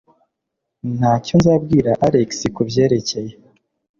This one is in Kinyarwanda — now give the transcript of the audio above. Ntacyo nzabwira Alex kubyerekeye.